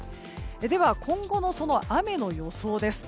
では、今後の雨の予想です。